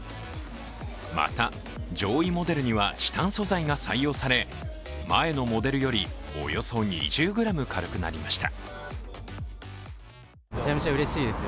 また、上位モデルにはチタン素材が採用され前のモデルよりおよそ２０ｇ軽くなりました。